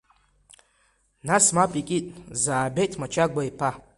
Нас мап икит Заабеҭ Мачагәа-иԥа.